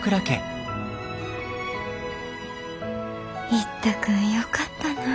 一太君よかったなぁ。